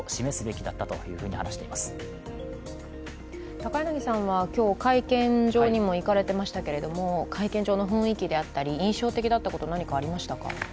高柳さんは今日会見場にも行かれていましたけれども、会見場の雰囲気であったり、印象的なことは何かありましたか？